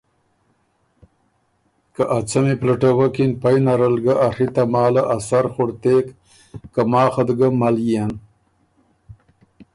که ا څمی پلټوکِن پئ نرل ګۀ ا ڒی تماله ا سر خُړتېک که ماخت ګه مل يېن۔